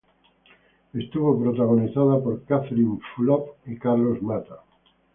Estuvo protagonizada por Catherine Fulop y Carlos Mata.